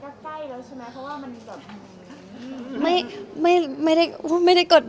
แสดงว่ามันก็ใกล้แล้วใช่ไหมเพราะว่ามันมีกฎ